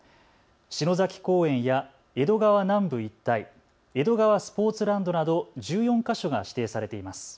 篠崎公園や江戸川南部一帯、江戸川スポーツランドなど１４か所が指定されています。